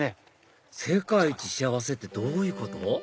世界一幸せってどういうこと？